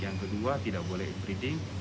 yang kedua tidak boleh breeding